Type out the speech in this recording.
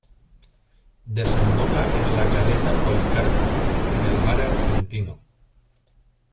Desemboca en la caleta Policarpo, en el mar Argentino.